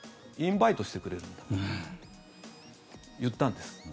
インバイトしてくれるんだと言ったんです。